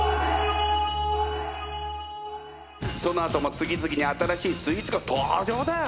そのあとも次々に新しいスイーツが登場だ。